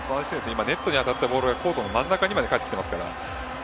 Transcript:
今、ネットに当たったボールがコートの真ん中まで返ってきてますから。